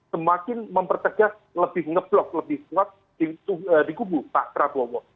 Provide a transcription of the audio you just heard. semakin mempertegas lebih ngeblok lebih kuat di kubu pak prabowo